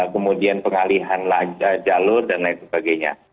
kemudian pengalihan jalur dan lain sebagainya